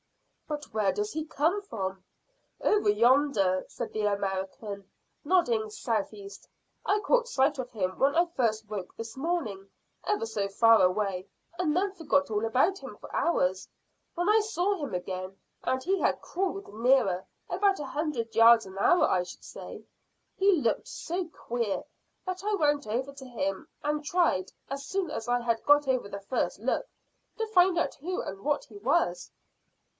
"But where does he come from?" "Over yonder," said the American, nodding south east. "I caught sight of him when I first woke this morning, ever so far away, and then forgot all about him for hours, when I saw him again, and he had crawled nearer, about a hundred yards an hour, I should say. He looked so queer that I went over to him, and tried, as soon as I had got over the first look, to find out who and what he was."